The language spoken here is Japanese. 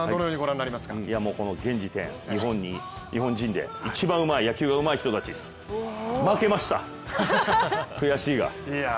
現時点、日本人で一番野球がうまい人たち、負けました、悔しいが。